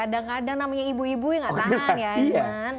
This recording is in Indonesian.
kadang kadang namanya ibu ibu ya gak tahan ya